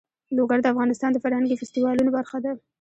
لوگر د افغانستان د فرهنګي فستیوالونو برخه ده.